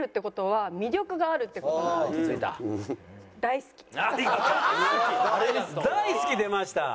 「大好き」出ました。